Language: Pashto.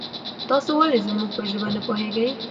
تاسو ولې زمونږ په ژبه نه پوهیږي؟